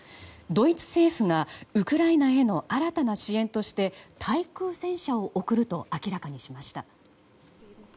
ドイツ政府がウクライナへの新たな支援として対空戦車を送ると明らかにしました。